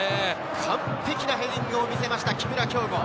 完璧なヘディングを見せました木村匡吾。